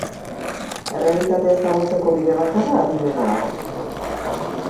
Errealitatea ezagutzeko bide bakarra adimena da.